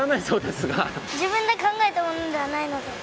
自分で考えたものではないので。